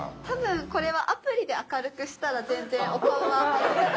多分これはアプリで明るくしたら全然お顔は。